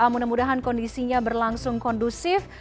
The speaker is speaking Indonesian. mudah mudahan kondisinya berlangsung kondusif